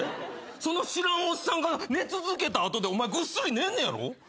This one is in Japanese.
その知らんおっさんが寝続けた後でお前ぐっすり寝んのやろ？